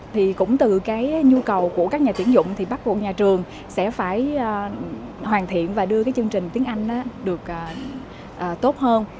thì cũng từ cái nhu cầu của các nhà tuyển dụng thì bắt buộc nhà trường sẽ phải hoàn thiện và đưa cái chương trình tiếng anh được tốt hơn